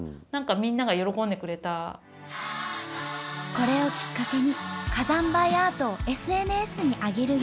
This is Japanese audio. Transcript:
これをきっかけに火山灰アートをＳＮＳに上げるように。